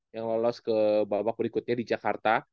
yang lolos ke babak berikutnya di jakarta